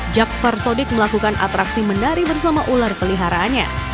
jakvar sodik melakukan atraksi menari bersama ular peliharaannya